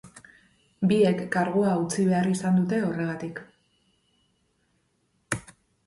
Biek kargua utzi behar izan dute horregatik.